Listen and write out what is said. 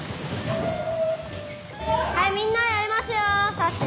はいみんなやりますよ。